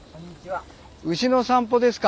牛の散歩ですか？